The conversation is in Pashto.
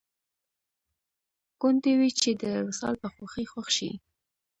ګوندې وي چې د وصال په خوښۍ خوښ شي